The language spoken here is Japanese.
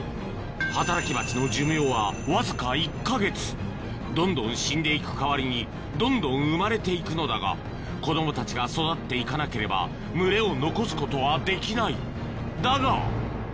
そうどんどん死んで行く代わりにどんどん生まれて行くのだが子供たちが育って行かなければ群れを残すことはできないだが！